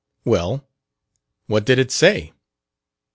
Well, what did it say?